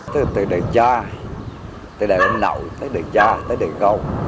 từ đời cha từ đời ông nậu